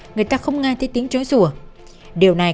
người ta không nghe thấy tiếng chói rùa